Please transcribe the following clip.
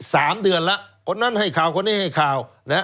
สามเดือนแล้วคนนั้นให้ข่าวคนนี้ให้ข่าวนะฮะ